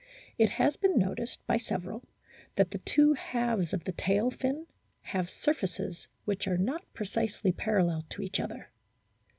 It has been noticed by several that the two halves of the tail fin have surfaces which are not precisely parallel to each other.